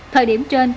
thời điểm trên